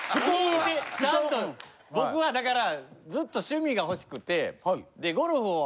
ちゃんと僕はだからずっと趣味が欲しくてで。